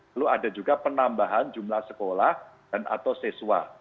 lalu ada juga penambahan jumlah sekolah dan atau siswa